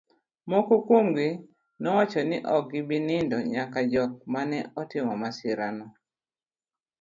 moko kuomgi nowacho ni ok gi bi nindo nyaka jok mane otimo masira no